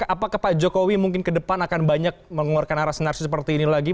apakah pak jokowi mungkin ke depan akan banyak mengeluarkan arah senarsi seperti ini lagi